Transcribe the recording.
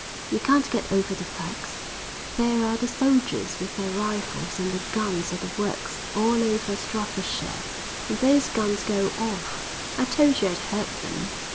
You can't get over the facts. There are the soldiers with their rifles and their guns at the works all over Stratfordshire, and those guns go off. I told you I'd heard them.